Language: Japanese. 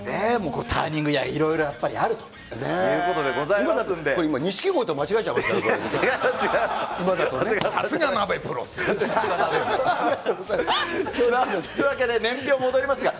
ターニングイヤー、いろいろやっぱりあるということでございますが。